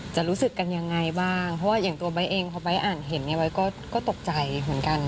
จะรู้สึกกันยังไงบ้างเพราะว่าอย่างตัวไบท์เองพอไบท์อ่านเห็นเนี่ยไบท์ก็ตกใจเหมือนกัน